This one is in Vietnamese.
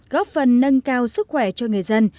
góp phần nâng cao sức khỏe cho người dân